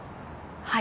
はい。